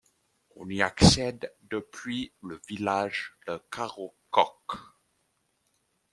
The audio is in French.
On y accède depuis le village de Carocok.